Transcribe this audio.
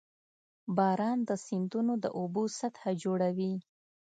• باران د سیندونو د اوبو سطحه لوړوي.